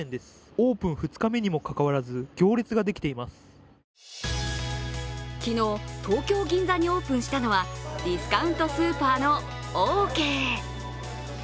オープン２日目にもかかわらず、昨日、東京・銀座にオープンしたのはディスカウントスーパーのオーケー。